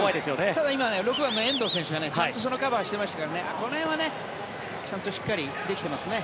ただ今、６番の遠藤選手がちゃんとカバーしてましたからこの辺はちゃんとしっかりできていますね。